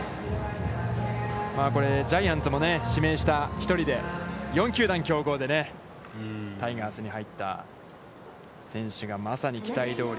これ、ジャイアンツも指名した１人で、４球団競合でね、タイガースに入った選手が、まさに期待どおり。